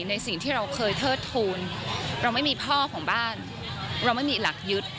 ในสิ่งที่เราเคยเทิดทูลเราไม่มีพ่อของบ้านเราไม่มีหลักยึด